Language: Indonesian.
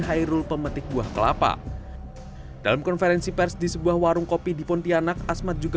hairul pemetik buah kelapa dalam konferensi pers di sebuah warung kopi di pontianak asmat juga